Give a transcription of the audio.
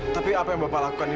tapi apa yang bapak lakukan